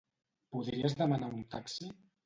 Podries demanar un taxi?